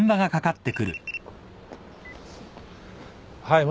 はい。